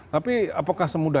tapi apakah semua itu